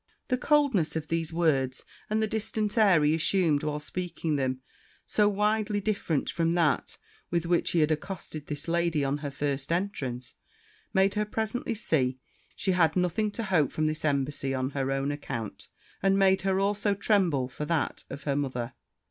The coldness of these words, and the distant air he assumed while speaking them, so widely different from that with which he had accosted this lady on her first entrance, made her presently see she had nothing to hope from this embassy on her own account, and made her also tremble for that of her mother.